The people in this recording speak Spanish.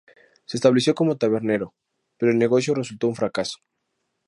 Se estableció como tabernero, pero el negocio resultó un fracaso.